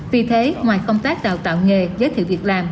vì thế ngoài công tác đào tạo nghề giới thiệu việc làm